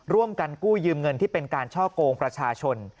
ร่วมกันกู้ยืมเงินที่เป็นการช่อกงประชาชน